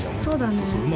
そうだね。